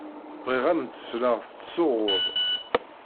Bɣiɣ ad m-d-sleɣ tettsuɣuḍ.